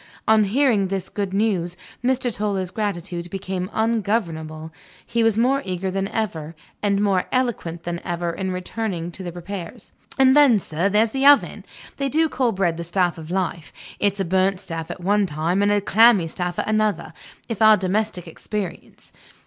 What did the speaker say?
On hearing this good news, Mr. Toller's gratitude became ungovernable: he was more eager than ever, and more eloquent than ever, in returning to the repairs. "And then, sir, there's the oven. They do call bread the staff of life. It's a burnt staff at one time, and a clammy staff at another, in our domestic experience.